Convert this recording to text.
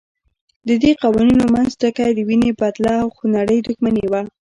ددې قوانینو منځ ټکی د وینې بدله او خونړۍ دښمني وه.